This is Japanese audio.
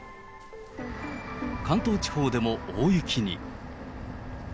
関東地方でも大雪に。